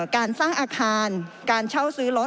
การสร้างอาคารการเช่าซื้อรถ